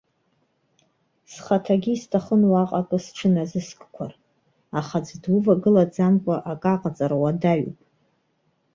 Схаҭагьы исҭахын уаҟа акы сҽыназыскқәар, аха аӡәы дувагылаӡамкәа акы аҟаҵара уадаҩуп.